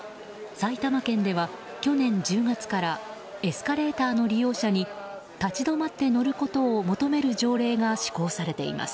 埼玉県では去年１０月からエスカレーターの利用者に立ち止まって乗ることを求める条例が施行されています。